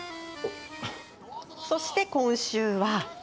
そして今週は。